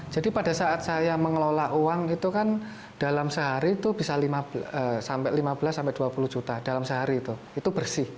jadi pada saat saya mengelola uang itu kan dalam sehari itu bisa sampai lima belas dua puluh juta dalam sehari itu